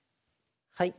はい。